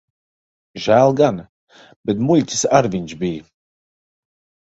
Žēl gan. Bet muļķis ar viņš bij.